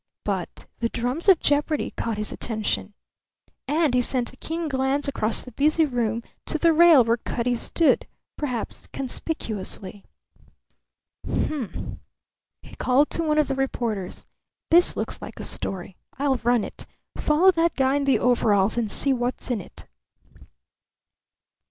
But the "drums of jeopardy" caught his attention; and he sent a keen glance across the busy room to the rail where Cutty stood, perhaps conspicuously. "Humph!" He called to one of the reporters. "This looks like a story. I'll run it. Follow that guy in the overalls and see what's in it."